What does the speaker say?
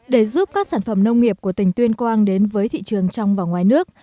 để giúp các sản phẩm nông nghiệp của tỉnh tuyên quang đến với thị trường trong và ngoài nước